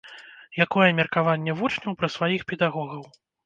Якое меркаванне вучняў пра сваіх педагогаў?